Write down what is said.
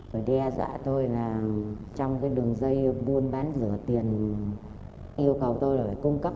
phải đe dọa tôi là trong cái đường dây buôn bán rửa tiền yêu cầu tôi là phải cung cấp